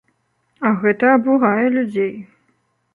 А гэта абурае людзей.